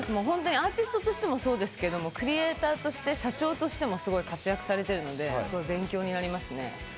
アーティストとしてもそうですけど、クリエイターとしても社長としても活躍されているので勉強になりますね。